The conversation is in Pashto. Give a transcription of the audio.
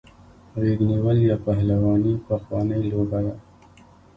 غیږ نیول یا پهلواني پخوانۍ لوبه ده.